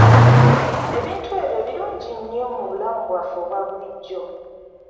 Ebintu ebyo birungi nnyo mu bulamu bwaffe obwa bulijjo.